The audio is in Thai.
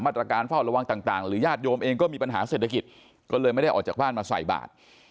ตรการเฝ้าระวังต่างหรือญาติโยมเองก็มีปัญหาเศรษฐกิจก็เลยไม่ได้ออกจากบ้านมาใส่บาท